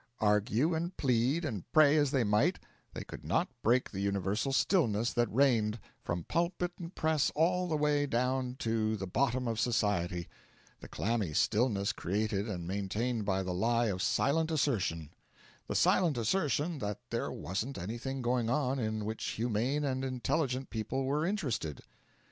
Argue and plead and pray as they might, they could not break the universal stillness that reigned, from pulpit and press all the way down to the bottom of society the clammy stillness created and maintained by the lie of silent assertion the silent assertion that there wasn't anything going on in which humane and intelligent people were interested.